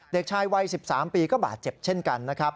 เด็กชายวัย๑๓ปีก็บาดเจ็บเช่นกันนะครับ